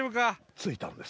着いたのです